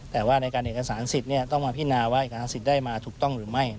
แต่ว่าในการเอกสารสิทธิ์ต้องมาพินาว่าเอกสารสิทธิ์ได้มาถูกต้องหรือไม่